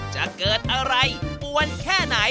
จะเกิดอะไรปวนแค่ไหน